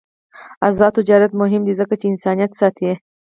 آزاد تجارت مهم دی ځکه چې انسانیت ساتي.